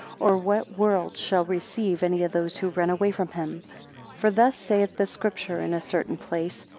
Or what world shall receive any of those who run away from him? 3 For thus saith the Scripture in a certain place.